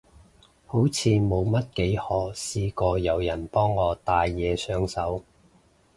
好似冇乜幾可試過有人幫我戴嘢上手